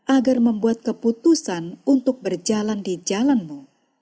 agar membuat keputusan untuk berjalan di jalanmu